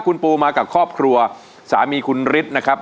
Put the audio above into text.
คุณปูมากับครอบครัวสามีคุณฤทธิ์นะครับ